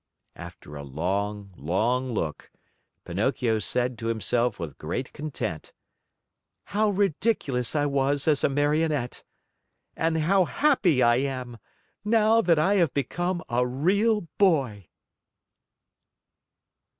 After a long, long look, Pinocchio said to himself with great content: "How ridiculous I was as a Marionette! And how happy I am, now that I have become a real boy!"